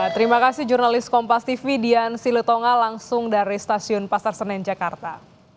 terima kasih jurnalis kompas tv dian silitonga langsung dari stasiun pasar senen jakarta